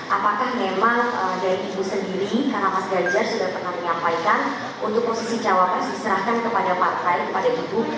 apakah memang dari ibu sendiri karena mas ganjar sudah pernah menyampaikan untuk posisi cawapres diserahkan kepada partai kepada ibu